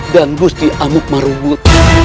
dan gusti amuk marugul